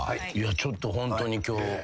ちょっとホントに今日。